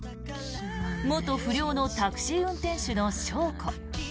元不良のタクシー運転手の翔子。